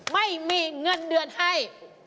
ไม่มีเงินเดือนให้